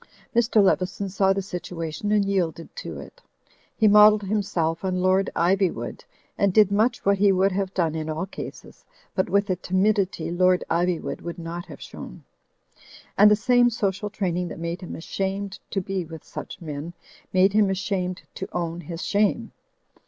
Mr. Leveson saw the situation and yielded to it. He modelled himself on Lord Ivywood and did much what he would have done in all cases, but with a tim idity Lord Iv3rwood would not have shown. And the same social training that made him ashamed to be with such men, made him ashamed to own his shame.